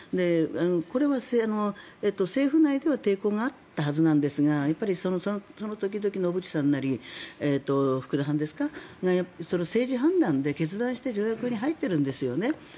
これは政府内では抵抗があったはずなんですがその時々の小渕さんなり福田さんなりが政治判断で決断して条約に入ってるんですよね。